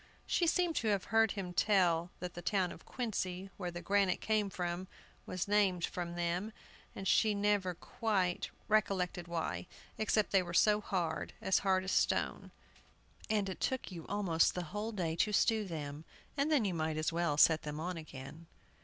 She seemed to have heard him tell that the town of Quincy, where the granite came from, was named from them, and she never quite recollected why, except they were so hard, as hard as stone, and it took you almost the whole day to stew them, and then you might as well set them on again.